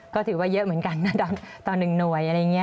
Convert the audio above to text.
ก็ถือว่าเยอะเหมือนกันนะต่อ๑หน่วยอะไรอย่างนี้